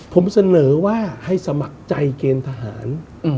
ผมเสนอว่าให้สมัครใจเกณฑ์ทหาร